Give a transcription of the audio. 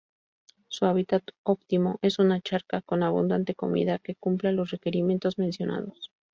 Su hábitat óptimo es una charca con abundante comida que cumpla los requerimientos mencionados.